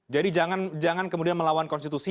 jadi jangan kemudian melawan konstitusi